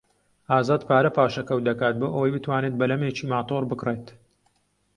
ئازاد پارە پاشەکەوت دەکات بۆ ئەوەی بتوانێت بەلەمێکی ماتۆڕ بکڕێت.